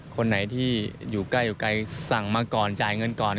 คนไหนที่อยู่ใกล้สั่งมาก่อนจ่ายเงินก่อน